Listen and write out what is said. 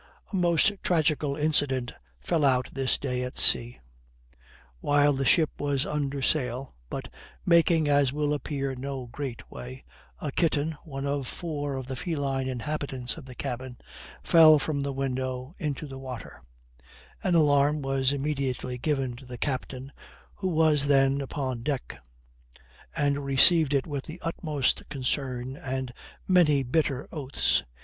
A most tragical incident fell out this day at sea. While the ship was under sail, but making as will appear no great way, a kitten, one of four of the feline inhabitants of the cabin, fell from the window into the water: an alarm was immediately given to the captain, who was then upon deck, and received it with the utmost concern and many bitter oaths.